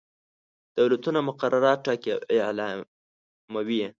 دولتونه مقررات ټاکي او اعلاموي.